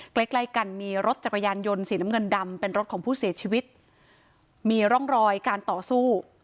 ใกล้ใกล้กันมีรถจักรยานยนต์สีน้ำเงินดำเป็นรถของผู้เสียชีวิตมีร่องรอยการต่อสู้